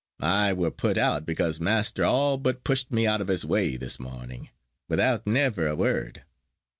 I were put out because measter all but pushed me out of his way this morning, without never a word.